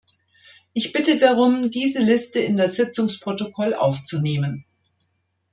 Ich bitte darum, diese Liste in das Sitzungsprotokoll aufzunehmen.